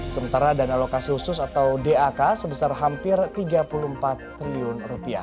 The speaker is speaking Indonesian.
sementara dana alokasi khusus atau dak sebesar hampir rp tiga puluh empat triliun